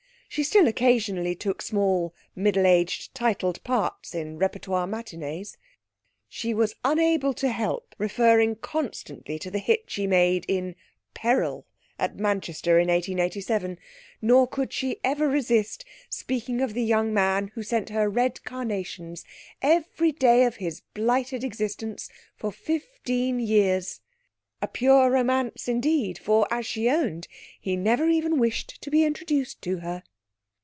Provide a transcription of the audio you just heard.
She still occasionally took small middle aged titled parts in repertoire matinees. She was unable to help referring constantly to the hit she made in Peril at Manchester in 1887; nor could she ever resist speaking of the young man who sent her red carnations every day of his blighted existence for fifteen years; a pure romance, indeed, for, as she owned, he never even wished to be introduced to her.